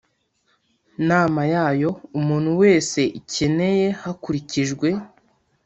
nama yayo umuntu wese ikeneye hakurikijwe